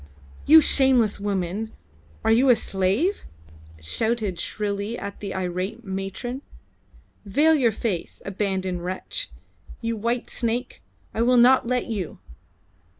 "You shameless woman! Are you a slave?" shouted shrilly the irate matron. "Veil your face, abandoned wretch! You white snake, I will not let you!"